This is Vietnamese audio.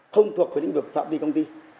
không thuộc về lĩnh vực phạm vi công ty